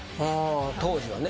当時はね。